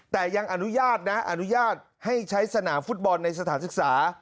แต่ยังอนุญาตนะอนุญาตให้ใช้สนามฟุตบอลในสถานศึกษา